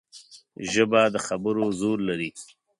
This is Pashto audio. ژبه د خبرو زور لري